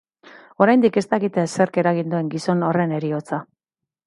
Oraindik ez dakite zerk eragin duen gizon horren heriotza.